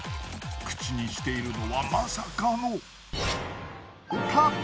口にしているのはまさかの。